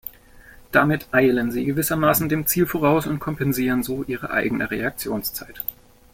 Damit „eilen“ sie gewissermaßen dem Ziel voraus und kompensieren so ihre eigene Reaktionszeit.